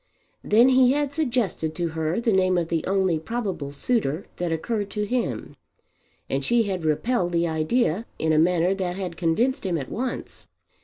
Then he had suggested to her the name of the only probable suitor that occurred to him, and she had repelled the idea in a manner that had convinced him at once.